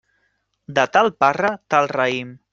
De tal parra, tal raïm.